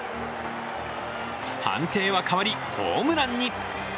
判定は変わり、ホームランに。